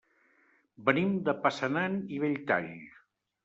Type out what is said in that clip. Venim de Passanant i Belltall.